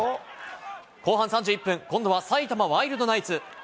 後半３１分、今度は埼玉ワイルドナイツ。